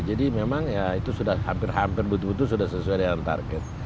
jadi memang ya itu sudah hampir hampir betul betul sudah sesuai dengan target